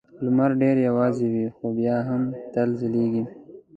لمر ډېر یوازې وي خو بیا هم تل ځلېږي.